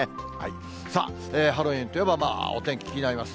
さあ、ハロウィーンといえばまあお天気気になります。